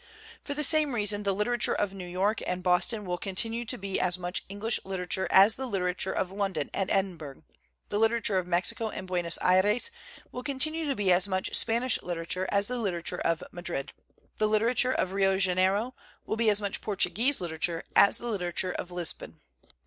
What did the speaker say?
For the same reason the litera ture of New York and Boston will continue to be as much English literature as the literature of London and Edinburgh; the literature of Mexico and Buenos Ayres will continue to be as much Spanish literature as the literature of Madrid; the literature of Rio Janeiro will be as much Portuguese literature as the literature of Lisbon.